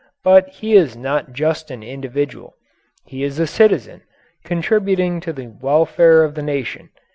But he is not just an individual. He is a citizen, contributing to the welfare of the nation.